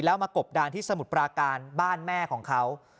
แล้วมากบดานที่สมุทรปราการบ้านแม่ของเขา